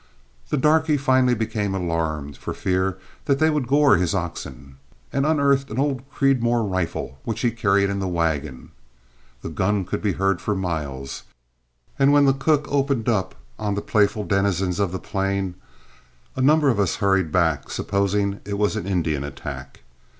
The darky finally became alarmed for fear they would gore his oxen, and unearthed an old Creedmoor rifle which he carried in the wagon. The gun could be heard for miles, and when the cook opened on the playful denizens of the plain, a number of us hurried back, supposing it was an Indian attack.